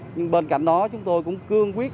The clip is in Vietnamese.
nhưng bên cạnh đó chúng tôi cũng cương quyết